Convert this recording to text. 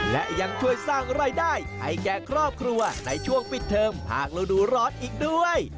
และยังช่วยสร้างรายได้ให้แก่ครอบครัวในช่วงปิดเทิมภาคฤดูร้อนอีกด้วย